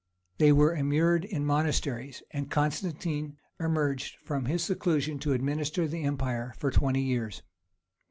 They were immured in monasteries, and Constantine emerged from his seclusion to administer the empire for twenty years.